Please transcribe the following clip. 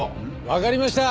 わかりました！